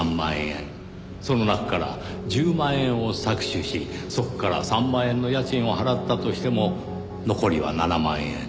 その中から１０万円を搾取しそこから３万円の家賃を払ったとしても残りは７万円。